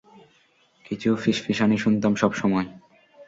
কিছু ফিসফিসানি শুনতাম সবসময়!